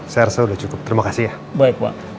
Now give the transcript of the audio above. saya rasa cukup